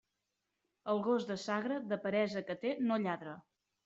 El gos de Sagra, de peresa que té, no lladra.